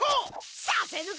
させるか！